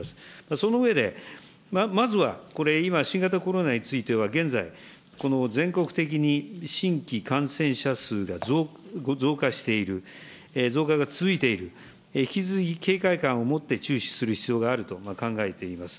その上で、まずはこれ、今新型コロナについては、現在、この全国的に新規感染者数が増加している、増加が続いている、引き続き警戒感を持って注視する必要があると考えています。